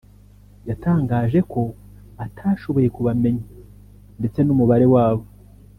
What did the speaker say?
yatangaje ko atashoboye kubamenya ndetse n’umubare wabo